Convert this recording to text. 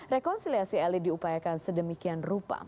rekonsiliasi elit diupayakan sedemikian rupa